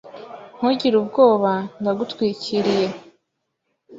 Ntugire ubwoba. Ndagutwikiriye.